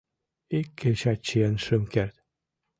Ик кечат чиен шым керт...